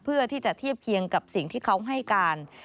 เพื่อที่จะเทียบเคียงกับสิ่งที่เขาให้การ